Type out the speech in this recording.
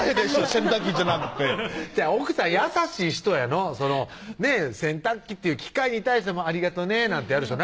洗濯機じゃなくて奥さん優しい人やの洗濯機っていう機械に対しても「ありがとうね」なんてやる人